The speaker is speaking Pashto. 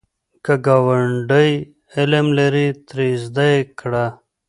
که ګاونډی علم لري، ترې زده کړه